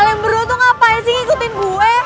kalian berdua tuh ngapain sih ngikutin gue